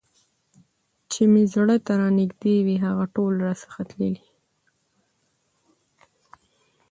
چي مي زړه ته رانیژدې وي هغه ټول راڅخه تللي